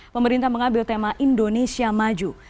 pemerintah mengambil tema indonesia maju